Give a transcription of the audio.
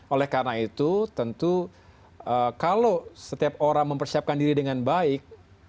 oleh karena itu tentu kalau setiap orang mempersiapkan diri dengan baik